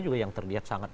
juga yang terlihat sangat